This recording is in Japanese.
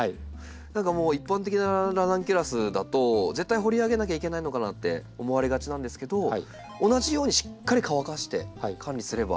何かもう一般的なラナンキュラスだと絶対掘り上げなきゃいけないのかなって思われがちなんですけど同じようにしっかり乾かして管理すれば。